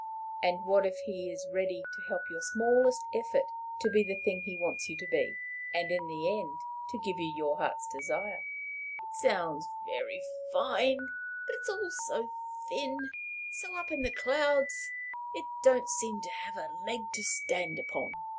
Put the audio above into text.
And what if he is ready to help your smallest effort to be the thing he wants you to be and in the end to give you your heart's desire?" "It sounds very fine, but it's all so thin, so up in the clouds! It don't seem to have a leg to stand upon.